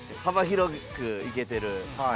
幅広くいけてる。